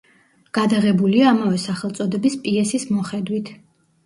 გადაღებულია ამავე სახელწოდების პიესის მოხედვით.